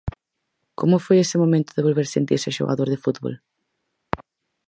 Como foi ese momento de volver sentirse xogador de fútbol?